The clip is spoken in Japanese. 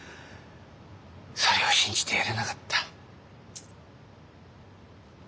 それを信じてやれなかった。